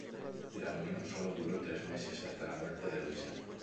La unión duró solo tres meses hasta la muerte de Luisa.